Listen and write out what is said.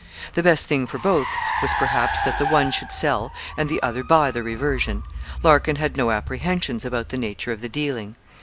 The best thing for both was, perhaps, that the one should sell and the other buy the reversion. Larkin had no apprehensions about the nature of the dealing.